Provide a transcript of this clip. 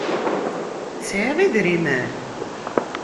Sɛiɣ idrimen.